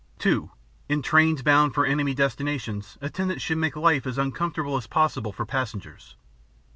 (2) In trains bound for enemy destinations, attendants should make life as uncomfortable as possible for passengers.